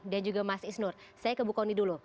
dan juga mas isnur saya ke bu khorin dulu